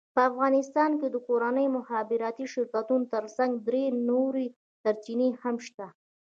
په افغانستان کې د کورنیو مخابراتي شرکتونو ترڅنګ درې نورې سرچینې هم شته،